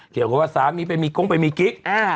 เกี่ยวกับว่าสามีเป็นมีโก๊งเป็นมีกิ๊ก